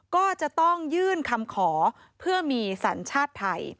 ก็จะต้องยื่นคำขอเพื่อมีสัญชาติไทย